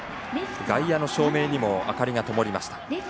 外野の照明にも明かりがともりました。